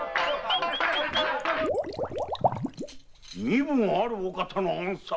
身分あるお方の暗殺？